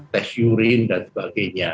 tes yurin dan sebagainya